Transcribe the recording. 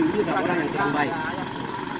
kami tidak orang yang terbaik